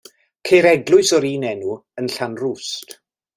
Ceir eglwys o'r un enw yn Llanrwst.